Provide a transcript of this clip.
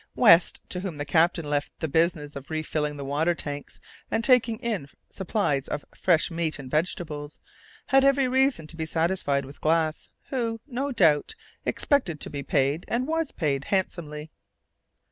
West, to whom the captain left the business of refilling the water tanks and taking in supplies of fresh meat and vegetables, had every reason to be satisfied with Glass, who, no doubt, expected to be paid, and was paid, handsomely.